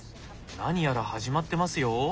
何やら始まってますよ。